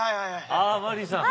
ああマリーさん。